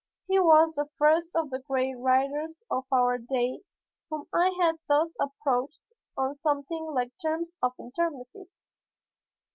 He was the first of the great writers of our day whom I had thus approached on something like terms of intimacy.